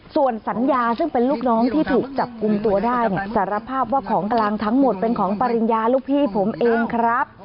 ส่วนสัญญาซึ่งเป็นลูกน้องที่ถูกจับกลุ่มตัวได้สารภาพว่าของกลางทั้งหมดเป็นของปริญญาลูกพี่ผมเองครับ